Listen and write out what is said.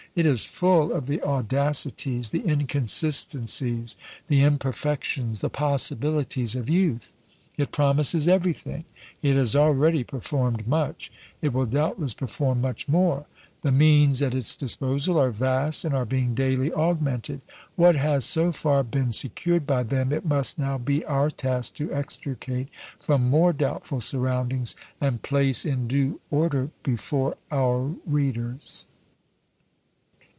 It is full of the audacities, the inconsistencies, the imperfections, the possibilities of youth. It promises everything; it has already performed much; it will doubtless perform much more. The means at its disposal are vast and are being daily augmented. What has so far been secured by them it must now be our task to extricate from more doubtful surroundings and place in due order before our readers.